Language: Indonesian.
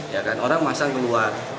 ya kan orang masak keluar